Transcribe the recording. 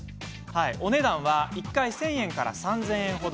お値段は、１回１０００円から３０００円程。